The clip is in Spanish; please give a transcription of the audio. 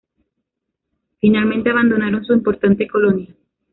Finalmente abandonaron su importante colonia.